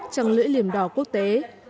trong lưỡi liềm đỏ quốc tế